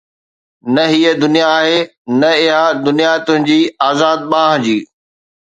نه هيءَ دنيا آهي نه اها دنيا تنهنجي آزاد ٻانهن جي